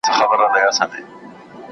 د منابعو موثره کارول پرمختګ راوړي.